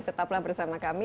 tetaplah bersama kami